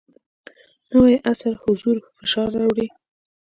نوی عصر حضور فشار راوړی.